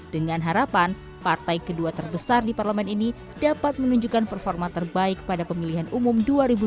dengan harapan partai kedua terbesar di parlemen ini dapat menunjukkan performa terbaik pada pemilihan umum dua ribu dua puluh